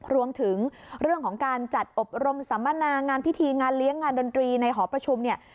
รวมถึงเรื่องของการจัดอบรมสัมมนางานพิธีงานเลี้ยงงานดนตรีในหอประชุมเนี่ย